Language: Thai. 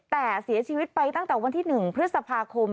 แต่เสียชีวิตไปตั้งแต่วันที่๑พฤษภาคม